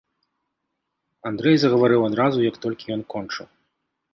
Андрэй загаварыў адразу, як толькі ён кончыў.